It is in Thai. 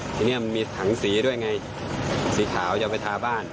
ทีนี้มันมีถังสีด้วยไงสีขาวจะไปทาบ้าน